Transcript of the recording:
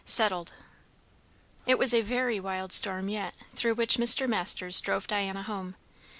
SETTLED. It was a very wild storm yet through which Mr. Masters drove Diana home.